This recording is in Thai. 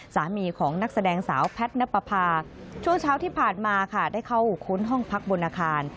สามีของนักแสดงสาวแพทย์นับประพาช่วงเช้าที่ผ่านมาค่ะได้เข้าค้นห้องพักบนอาคาร